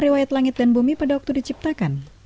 riwayat langit dan bumi pada waktu diciptakan